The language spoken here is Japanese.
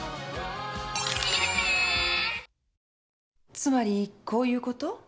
つまりこういうこと？